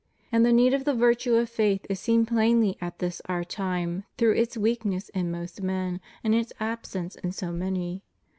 And the need of the virtue of faith is seen plainly at this our time through its weakness in most men, and its absence in so many.